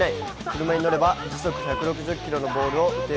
車に乗れば時速１６０キロのボールを打てる？